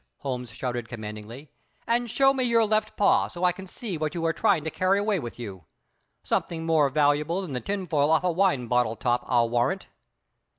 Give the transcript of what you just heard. Holmes shouted commandingly, "and show me your left paw so I can see what you are trying to carry away with you. Something more valuable than the tinfoil off a wine bottle top, I'll warrant!"